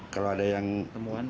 kalau ada yang melanggar atau